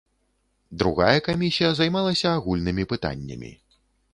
Другая камісія займалася агульнымі пытаннямі.